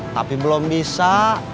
tapi belum bisa